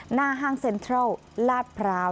ห้างเซ็นทรัลลาดพร้าว